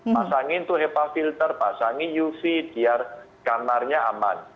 masangin tuh hepa filter pasangin uv biar kamarnya aman